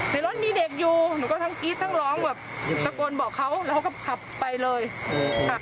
ในรถมีเด็กอยู่หนูก็ทั้งกรี๊ดทั้งร้องแบบตะโกนบอกเขาแล้วเขาก็ขับไปเลยค่ะ